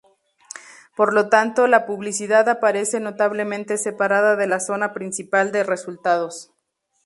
Por lo tanto, la publicidad aparece notablemente separada de la zona principal de resultados.